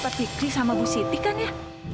itu anaknya pak fikri sama bu siti kan ya